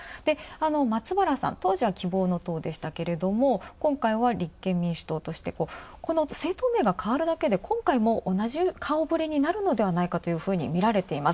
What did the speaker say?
松原さん、当時は希望の党だったですけど今回は立憲民主党として、このあと政党名が変わるだけで今回も同じ顔ぶれになるのではないかというふうにみられています。